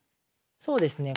そうですね。